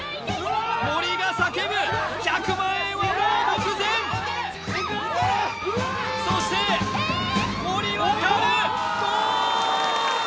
森が叫ぶ１００万円はもう目前そして森渉ゴール！